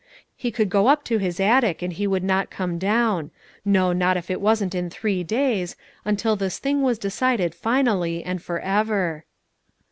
He could go up to his attic, and he would not come down, no, not if it wasn't in three days, until this thing was decided finally and for ever.